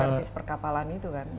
service perkapalan itu kan